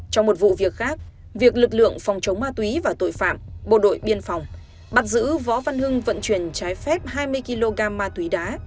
trong một vụ việc khác việc lực lượng phòng chống ma túy và tội phạm bắt giữ võ văn hưng vận chuyển trái phép hai mươi kg ma túy đá